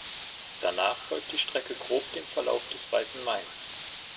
Danach folgte die Strecke grob dem Verlauf des Weißen Mains.